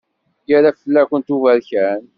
Yerra fell-kent uberkan.